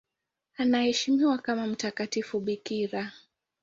Anaheshimiwa kama mtakatifu bikira.